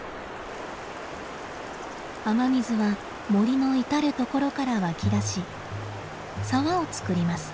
雨水は森の至る所から湧き出し沢を作ります。